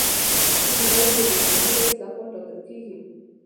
ځینې غړي یې د جمهور رئیس لخوا ټاکل کیږي.